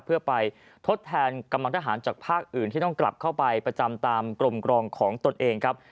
เพื่อไปทดแทนกำลังทหารจากภาคอื่นที่ต้องกลับเข้าไปประจำตามกรมกรองของตนเองครับ